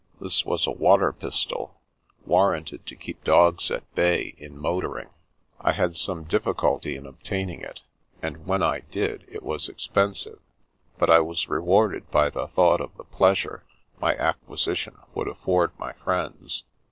This was a water pistol, warranted to keep dogs at bay, in motoring. I had some dif ficulty in obtaining it, and when I did, it was ex pensive, but I was rewarded by the thought of the pleasure my acquisition would afford my friends.